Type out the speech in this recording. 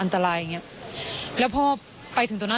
ส่วนรถที่นายสอนชัยขับอยู่ระหว่างการรอให้ตำรวจสอบ